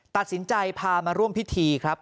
ตัดสินใจพามาร่วมพิธีครับ